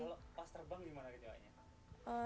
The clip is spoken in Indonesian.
kalau pas terbang gimana gejalanya